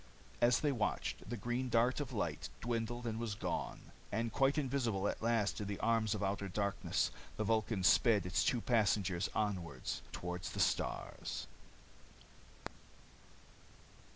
As they watched, the green dart of light dwindled and was gone. And quite invisible at last in the arms of outer darkness, the Vulcan sped its two passengers onward toward the stars.